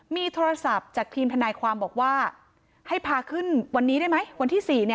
มีโทรศัพท์จากทีมทนายความบอกว่าให้พาขึ้นวันนี้ได้ไหมวันที่๔